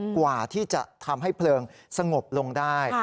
กว่าที่จะทำให้เพลิงสงบลงได้